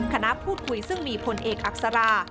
คณะพูดคุยซึ่งมีพลเอกอักษรา